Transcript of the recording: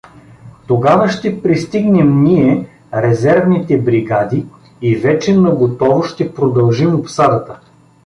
Тогава ще пристигнем ние, резервните бригади, и вече наготово ще продължим обсадата.